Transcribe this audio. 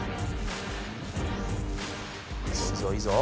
・いいぞいいぞ！